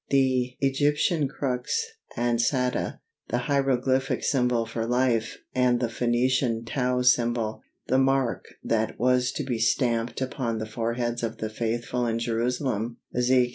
The Egyptian crux ansata, the hieroglyphic symbol for "life," and the Phœnician Tau symbol, the "mark" that was to be stamped upon the foreheads of the faithful in Jerusalem (Ezek.